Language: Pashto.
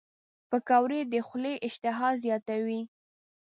پکورې د خولې اشتها زیاتوي